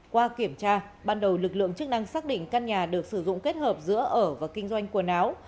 qua kiểm tra ban đầu lực lượng chức năng xác định căn nhà được sử dụng kết hợp giữa ở và kinh doanh quần áo